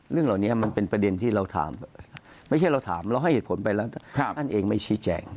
เรื่องเหล่านี้มันเป็นปัจเยนที่เราถามไม่อย่าไว้ถามเราให้เหตุผลไปแล้วว่าเข้ามาเองไม่ชี่แจก